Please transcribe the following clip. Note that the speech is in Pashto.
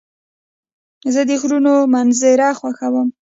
زه د غرونو منظر خوښوم.